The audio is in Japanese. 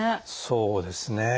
そうですね。